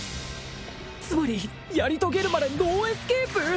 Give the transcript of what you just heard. つまりやり遂げるまでノーエスケープ？